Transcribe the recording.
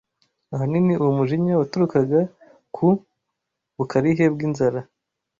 Ahanini uwo mujinya waturukaga ku bukarihe bw’inzara